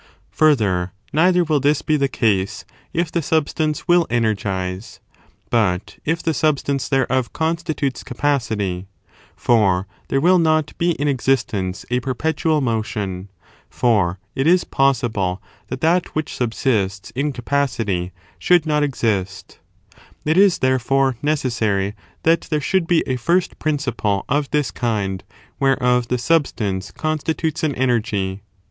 Further, neither will this be the case if the substance will energize, but if the substance thereof constitutes capacity; for there will not be in existence a perpetual motion, for it is possible that that which subsists in capacity should not exist It is, , therefore, necessary, that there should be a first piinciple of "< this kind whereof the substance constitutes an energy.